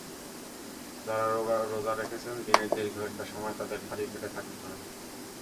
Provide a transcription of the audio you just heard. যাঁরা রোজা রাখছেন, দিনের দীর্ঘ একটা সময় তাঁদের খালি পেটে থাকতে হয়।